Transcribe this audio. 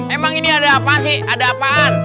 emang ini ada apa sih ada apaan